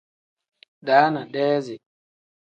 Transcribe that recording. Daana pl: deezi n.